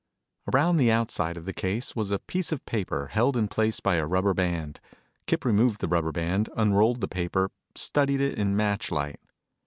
Around the outside of the case was a piece of paper, held in place by a rubber band. Kip removed the rubber band, unrolled the paper, studied it in match light.